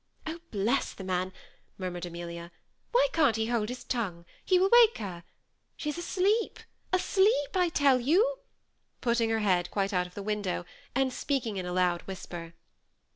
'' Oh I bless the man," murmured Amelia, ^ why can't he hold his tongue ? he will wake her. She's asleep — asleep, I tell you," putting her head quite out of the window, and speaking in a loud whisper.